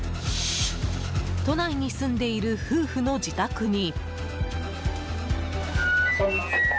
都内に住んでいる夫婦の自宅に。